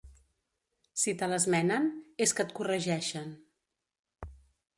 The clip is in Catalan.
Si te l'esmenen és que et corregeixen.